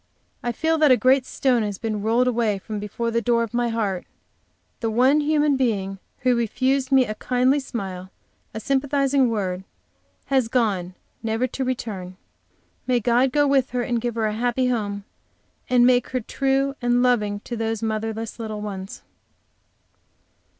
I feel that a great stone has been rolled away from before the door of my heart; the one human being who refused me a kindly smile, a sympathizing word, has gone, never to return. May God go with her and give her a happy home, and make her true and loving to those motherless little ones!